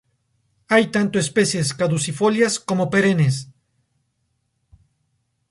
Hay tanto especies caducifolias como perennes.